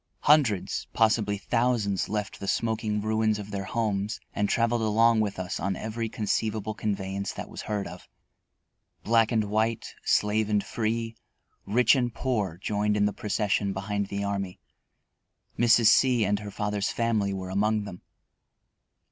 Hundreds, possibly thousands, left the smoking ruins of their homes and traveled along with us in every conceivable conveyance that was heard of. Black and white, slave and free, rich and poor, joined in the procession behind the army. Mrs. C and her father's family were among them.